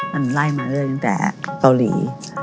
มันไล่มาเรื่อยตั้งแต่เกาหลี